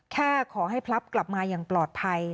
แค่ขอให้พลับกลับมาอย่างปลอดภัย